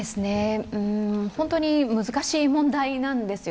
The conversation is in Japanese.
本当に難しい問題なんですよ。